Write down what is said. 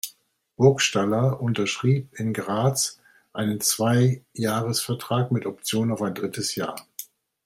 Burgstaller unterschrieb in Graz einen Zweijahresvertrag mit Option auf ein drittes Jahr.